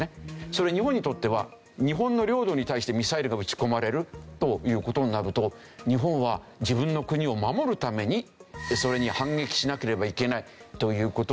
それ日本にとっては日本の領土に対してミサイルが撃ち込まれるという事になると日本は自分の国を守るためにそれに反撃しなければいけないという事になるとですね